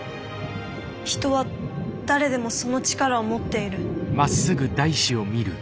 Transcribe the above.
人は誰でもその力を持っている」。